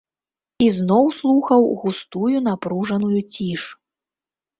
Ізноў слухаў густую напружаную ціш.